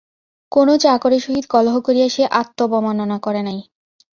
কোনো চাকরের সহিত কলহ করিয়া সে আত্মাবমাননা করে নাই।